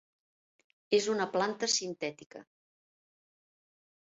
És una planta sintètica.